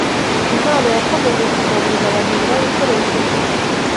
Imana yakomeje kugaburira Abaheburayo ikoresheje